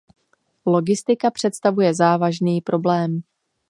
Logistika představuje závažný problém.